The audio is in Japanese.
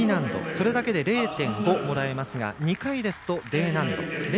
それだけで０．５もらえますが２回ですとＤ難度。